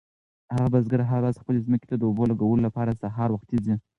هغه بزګر هره ورځ خپلې ځمکې ته د اوبو لګولو لپاره سهار وختي ځي.